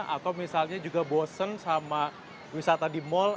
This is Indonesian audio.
atau misalnya juga bosen sama wisata di mall